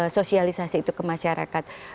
sosialisasi itu ke masyarakat